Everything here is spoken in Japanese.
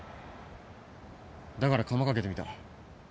だからカマかけてみた。